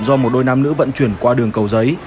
do một đôi nam nữ vận chuyển qua đường cầu giấy